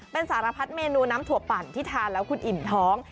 เป็นสารพัดเมนูน้ำถั่วปั่นที่ทานแล้วคุณอิ่มท้อง